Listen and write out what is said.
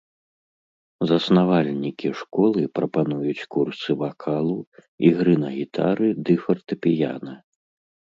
Заснавальнікі школы прапануюць курсы вакалу, ігры на гітары ды фартэпіяна.